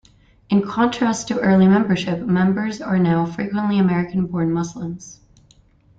In contrast to early membership, members are now frequently American-born Muslims.